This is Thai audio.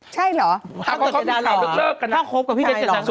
ใช่หรอถ้าก็มีข่าวก็เลิกกันใช่หรอ